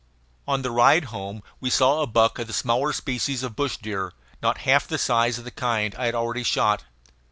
On the ride home we saw a buck of the small species of bush deer, not half the size of the kind I had already shot.